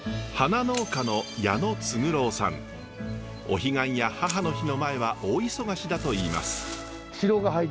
お彼岸や母の日の前は大忙しだといいます。